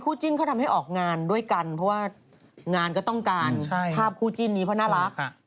จิ้นเขาทำให้ออกงานด้วยกันเพราะว่างานก็ต้องการภาพคู่จิ้นนี้เพราะน่ารัก